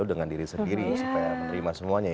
dengan diri sendiri supaya menerima semuanya ya